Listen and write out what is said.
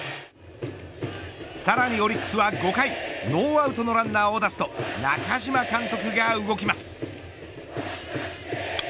さらにオリックスは５回ノーアウトのランナーを出すと中嶋監督が動きます。